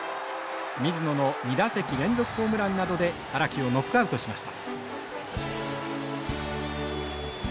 水野の２打席連続ホームランなどで荒木をノックアウトしました。